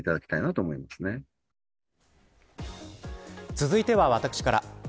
続いては私から。